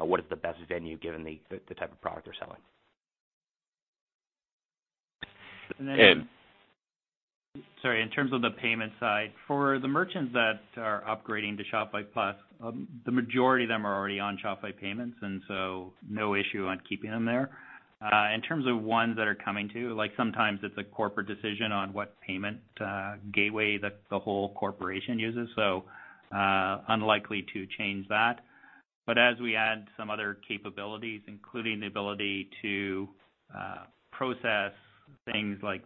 what is the best venue given the type of product they're selling. And then. Sorry, in terms of the payment side, for the merchants that are upgrading to Shopify Plus, the majority of them are already on Shopify Payments. No issue on keeping them there. In terms of ones that are coming to, like sometimes it's a corporate decision on what payment gateway the whole corporation uses, unlikely to change that. As we add some other capabilities, including the ability to process things like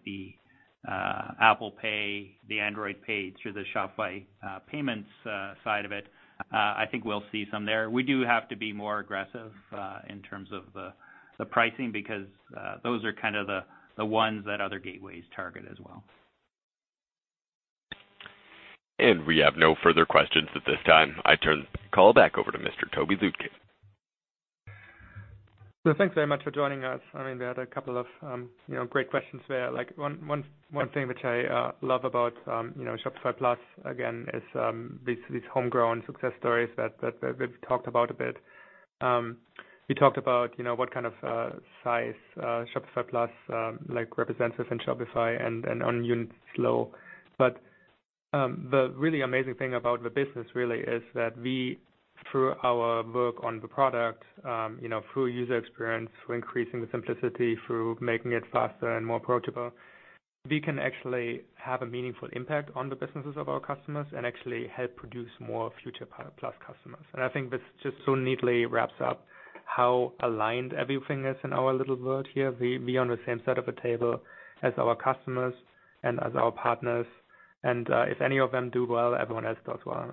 Apple Pay, Android Pay through the Shopify Payments side of it, we'll see some there. We do have to be more aggressive in terms of the pricing because those are kind of the ones that other gateways target as well. We have no further questions at this time. I turn the call back over to Mr. Tobi Lütke. Thanks very much for joining us. We had a couple of great questions there. Like one thing which I love about Shopify Plus again is these homegrown success stories that we've talked about a bit. We talked about what kind of size Shopify Plus like represents within Shopify and on unit flow. The really amazing thing about the business really is that we, through our work on the product through user experience, through increasing the simplicity, through making it faster and more approachable, we can actually have a meaningful impact on the businesses of our customers and actually help produce more future Plus customers. This just so neatly wraps up how aligned everything is in our little world here. We on the same side of the table as our customers and as our partners, and if any of them do well, everyone else does well.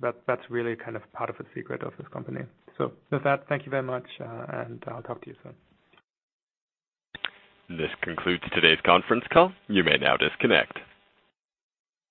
That's really kind of part of the secret of this company. With that, thank you very much, and I'll talk to you soon. This concludes today's conference call. You may now disconnect.